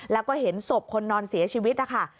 แล้วก็เห็นศพคนนอนเสียชีวิตนะคะ